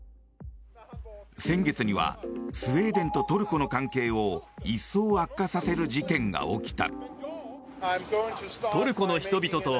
先月にはスウェーデンとトルコの関係を一層悪化させる事件が起きた。